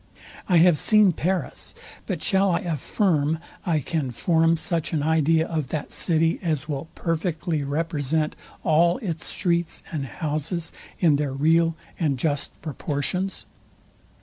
I have seen Paris; but shall I affirm I can form such an idea of that city, as will perfectly represent all its streets and houses in their real and just proportions?